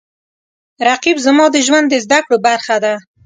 رقیب زما د ژوند د زده کړو برخه ده